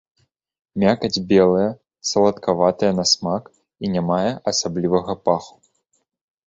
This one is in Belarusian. Мякаць белая, саладкаватая на смак і не мае асаблівага паху.